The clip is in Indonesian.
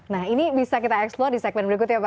nah ini bisa kita explor di segmen berikut ya pak